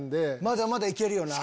まだまだ行けるよな。